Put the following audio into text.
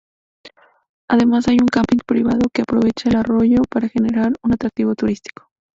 Además hay un camping privado que aprovecha el arroyo para generar un atractivo turístico.